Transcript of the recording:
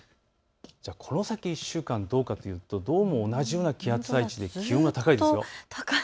この先１週間、どうかというと同じような気圧配置で気温が高いです。